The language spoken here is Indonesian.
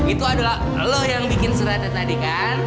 itu adalah lo yang bikin suratnya tadi kan